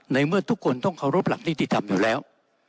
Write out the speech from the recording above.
เมื่อทุกคนต้องเคารพหลักนิติธรรมอยู่แล้ว